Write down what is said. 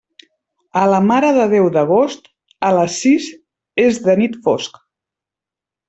A la Mare de Déu d'Agost, a les sis és de nit fosc.